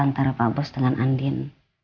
antara pak bos dengan andin